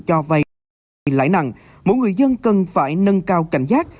cho vay lãi nặng mỗi người dân cần phải nâng cao cảnh giác